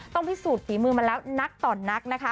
พิสูจนฝีมือมาแล้วนักต่อนักนะคะ